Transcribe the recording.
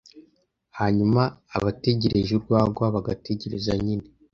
hanyuma abategereje urwagwa bagategereza nyine